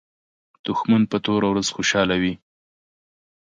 دښمن په توره ورځ خوشاله وي